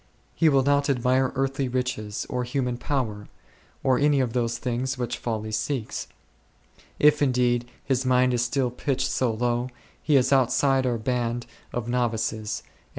He will not admire earthly riches, or human power, or any of those things which folly seeks. If, indeed, his mind is still pitched so low, he is outside our band of novices, and our words 8 iv toi?